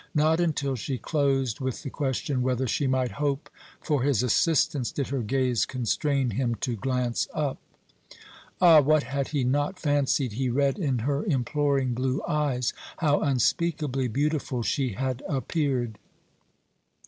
Not until she closed with the question whether she might hope for his assistance did her gaze constrain him to glance up. Ah, what had he not fancied he read in her imploring blue eyes! how unspeakably beautiful she had appeared!